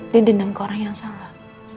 dia dendam ke orang yang salah